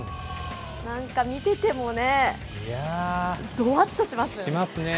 なんか見ててもね、ぞわっとしますね。